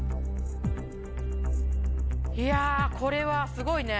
いやこれはすごいね。